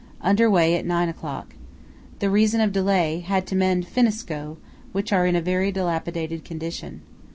Under way at 9 o'clock. The reason of delay, had to mend finneskoe, which are in a very dilapidated condition.